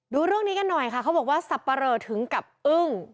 ดูเรื่องนี้กันหน่อยค่ะเขาบอกว่าสับปะเรอถึงกับอึ้ง